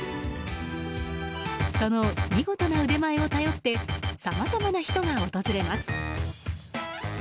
その見事な腕前を頼ってさまざまな人が訪れます。